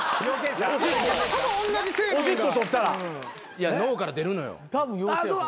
いや脳から出るのよ。